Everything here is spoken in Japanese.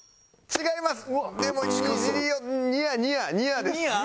違います。